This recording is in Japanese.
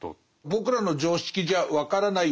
僕らの常識じゃ分からない